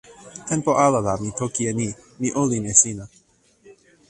tenpo ala la mi toki e ni: mi olin e sina.